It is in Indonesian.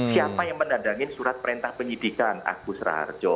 siapa yang menandangin surat perintah penyidikan agus raharjo